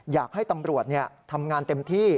อยากให้ตำรวจทำงานเต็มที่